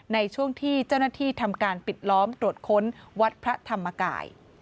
ในช่วงที่เจ้าหน้าที่ทำการปิดล้อมตรวจค้นวัดพระธรรมกาย